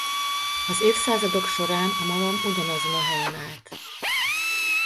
Az évszázadok során a malom ugyanazon a helyen állt.